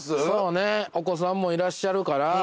そうねお子さんもいらっしゃるから。